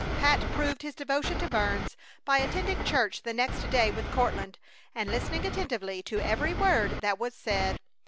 Pat proved his devotion to Burns by attending church the next day with Courtland, and listening attentively to every word that was said.